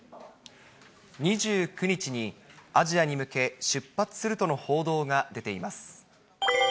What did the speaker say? ２９日に、アジアに向け出発するとの報道が出ています。